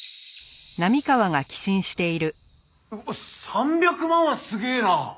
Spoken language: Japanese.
３００万はすげえな。